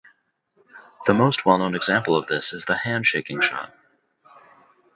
The most well-known example of this is the "handshaking shot".